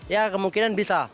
ya kemungkinan bisa